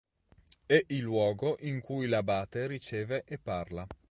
È il luogo in cui l'abate riceve e parla.